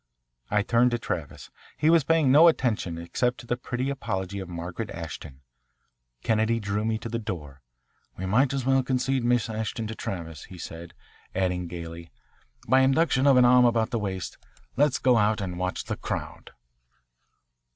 I turned to Travis. He was paying no attention except to the pretty apology of Margaret Ashton. Kennedy drew me to the door. "We might as well concede Miss Ashton to Travis," he said, adding gaily, "by induction of an arm about the waist. Let's go out and watch the crowd."